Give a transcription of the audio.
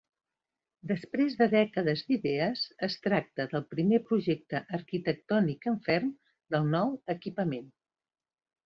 Després de dècades d'idees, es tracta del primer projecte arquitectònic en ferm del nou equipament.